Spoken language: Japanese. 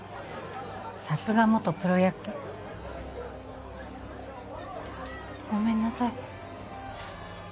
さすが元プロ野球ごめんなさい